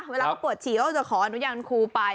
เวลาเขาปวดฉี่เขาก็จะขออนุญาตครูไป